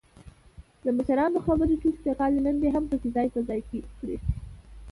دمشرانو خبرې، ټوکې ټکالې، لنډۍ هم پکې ځاى په ځاى کړي.